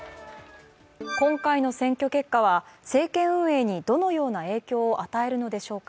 今回の選挙結果は政権運営にどのような影響を与えるのでしょうか。